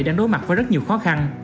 đã đối mặt với rất nhiều khó khăn